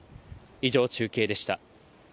以上、中継でした。